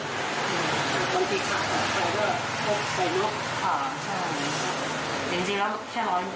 คุณเวิร์ดอ๋อใช่จริงจริงแล้วแค่ร้อยร้อยหนึ่ง